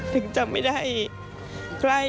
ถึงจะไม่ได้ใกล้